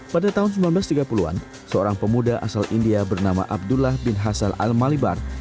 pada tahun seribu sembilan ratus tiga puluh an seorang pemuda asal india bernama abdullah bin hasal al malibar